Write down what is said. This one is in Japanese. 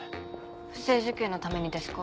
不正受給のためにですか？